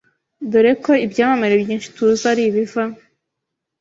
dore ko ibyamamare byinshi tuzi ari biva